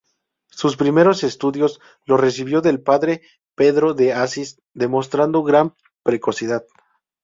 Sus primeros estudios los recibió del Padre Pedro de Asís, demostrando gran precocidad.